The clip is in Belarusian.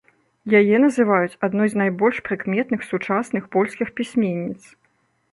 Яе называюць адной з найбольш прыкметных сучасных польскіх пісьменніц.